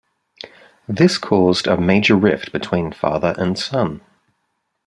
This caused a major rift between father and son.